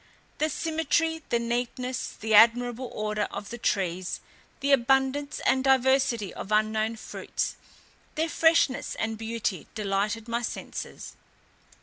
The symmetry, the neatness, the admirable order of the trees, the abundance and diversity of unknown fruits, their freshness and beauty, delighted my senses.